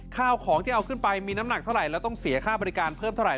ข้าวของที่เอาขึ้นไปมีน้ำหนักเท่าไหร่แล้วต้องเสียค่าบริการเพิ่มเท่าไห